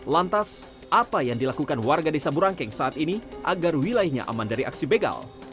lantas apa yang dilakukan warga desa burangkeng saat ini agar wilayahnya aman dari aksi begal